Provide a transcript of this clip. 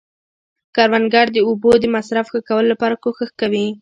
کروندګر د اوبو د مصرف ښه کولو لپاره کوښښ کوي